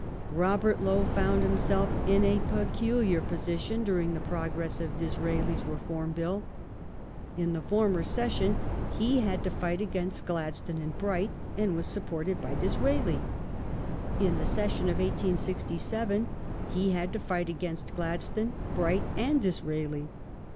Robert Lowe found himself in a peculiar posi tion during the progress of Disraeli's Reform Bill. In the former session he had to fight against Gladstone and Bright, and was supported by Disraeli; in the session of 1867 he had to fight against Gladstone, Bright, and Disraeli.